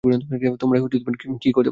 তোমরা কী করতে পার বলো?